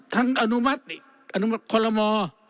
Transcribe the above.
ทั้งอนุมัติอนุมัติคอลโลมอร์